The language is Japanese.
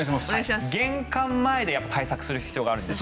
玄関前で対策する必要があります